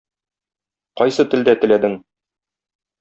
Кайсы телдә теләдең?